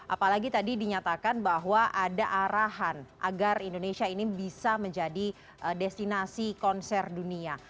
apalagi tadi dinyatakan bahwa ada arahan agar indonesia ini bisa menjadi destinasi konser dunia